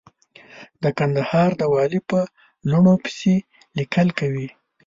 د کندهار د والي په لوڼو پسې ليکل کوي.